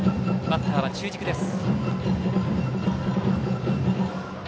バッターは中軸です。